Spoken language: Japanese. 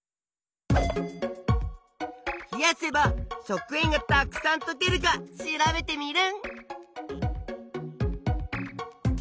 冷やせば食塩がたくさんとけるか調べテミルン！